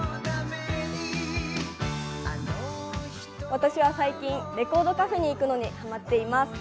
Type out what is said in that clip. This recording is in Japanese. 私は最近、レコードカフェに行くのにハマっています。